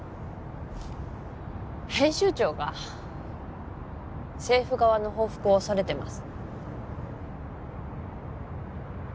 編集長が政府側の報復を恐れてます